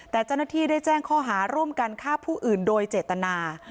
แต่เจ้าหน้าที่ได้แจ้งข้อหาร่วมกันฆ่าผู้อื่นโดยเจตนา